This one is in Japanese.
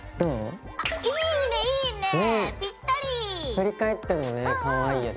振り返ってもねカワイイよね。